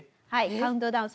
カウントダウン